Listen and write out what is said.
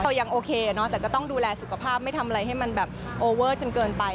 พอยังโอเคเนอะแต่ก็ต้องดูแลสุขภาพไม่ทำอะไรให้มันแบบโอเวอร์จนเกินไป